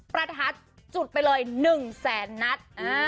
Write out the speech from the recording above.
ประทัดจุดไปเลย๑แสนนัด